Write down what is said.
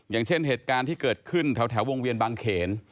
อย่างเช่นเหตุการณ์ที่เกิดขึ้นแถววงเวียนบางเขน